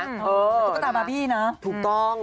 เหมือนกระต่าบาร์บี้นะถูกต้อง